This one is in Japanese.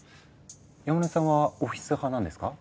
山根さんはオフィス派なんですか？